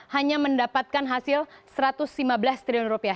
hanya mendapatkan hasil satu ratus lima belas triliun rupiah